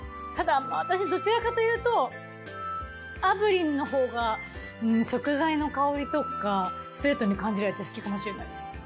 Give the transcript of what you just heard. ただ私どちらかというと炙輪のほうが食材の香りとかストレートに感じられて好きかもしれないです。